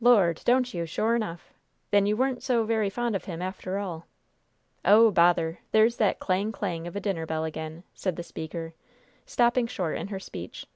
"Lord, don't you, sure enough? Then you wa'n't so very fond of him, after all? Oh, bother! there's that clang clang of a dinner bell again!" said the speaker, stopping short in her speech.